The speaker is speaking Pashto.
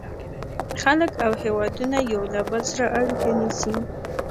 • خلک او هېوادونه یو له بل سره اړیکه نیسي.